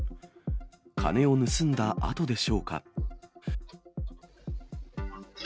金を盗んだあとでしょうか。